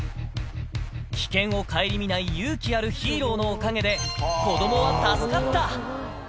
危険を顧みない勇気あるヒーローのおかげで、子どもは助かった。